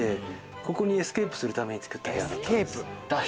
ここにエスケープするために作ったんです。